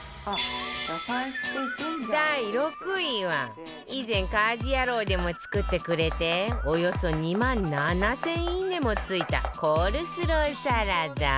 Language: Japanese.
第６位は以前『家事ヤロウ！！！』でも作ってくれておよそ２万７０００いいね！もついたコールスローサラダ